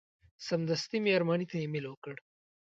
سمدستي مې ارماني ته ایمیل ورکړ.